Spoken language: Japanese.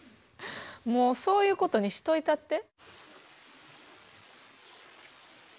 もうそういうことにしといたって。